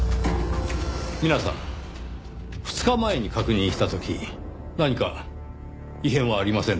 皆さん２日前に確認した時何か異変はありませんでしたか？